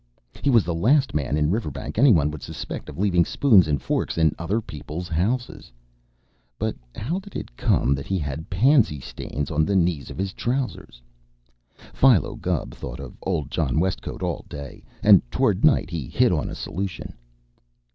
He was the last man in Riverbank any one would suspect of leaving spoons and forks in other people's houses. But how did it come that he had pansy stains on the knees of his trousers? Philo Gubb thought of old John Westcote all day, and toward night he hit on a solution.